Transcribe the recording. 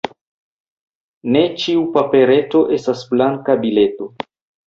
Ne ĉiu papereto estas banka bileto.